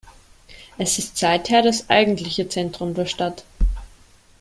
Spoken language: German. Es ist seither das eigentliche Zentrum der Stadt.